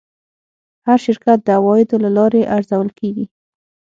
هر شرکت د عوایدو له لارې ارزول کېږي.